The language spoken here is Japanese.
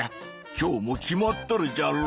今日もキマっとるじゃろ？